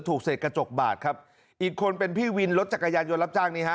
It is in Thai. เสร็จกระจกบาดครับอีกคนเป็นพี่วินรถจักรยานยนต์รับจ้างนี้ฮะ